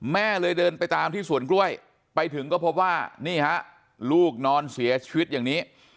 แม่เลยเดินไปตามที่สวนกล้วยไปถึงก็พบว่านี่ฮะลูกนอนเสียชีวิตอย่างนี้